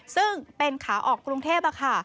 ซึ่งเป็นขาออกกรุงเทพค่ะ